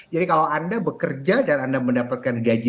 jadi kalau anda bekerja dan anda mendapatkan gaji umr